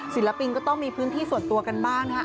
ศิลปินก็ต้องมีพื้นที่ส่วนตัวกันบ้างนะฮะ